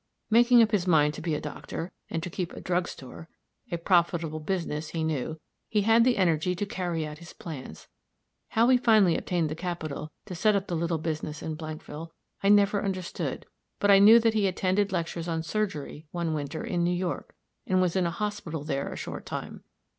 Making up his mind to be a doctor, and to keep a drug store (a profitable business, he knew) he had the energy to carry out his plans. How he finally obtained the capital to set up the little business in Blankville, I never understood, but I knew that he attended lectures on surgery, one winter, in New York, and was in a hospital there a short time.